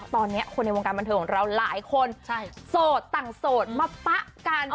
ตอนนี้คนในวงการบันเทิงของเราหลายคนโสดต่างโสดมาปะกัน